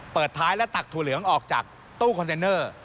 เปิดท้ายและตักถั่วเหลืองออกจากตู้คอนเทนเนอร์